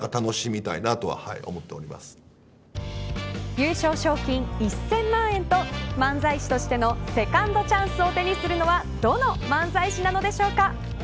優勝賞金１０００万円と漫才師としてのセカンドチャンスを手にするのはどの漫才師なのでしょうか。